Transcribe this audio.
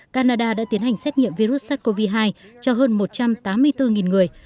canada đã tiến hành xét nghiệm virus sars cov hai cho hơn một trăm tám mươi bốn người